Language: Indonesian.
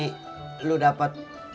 tidak ada yang ngerti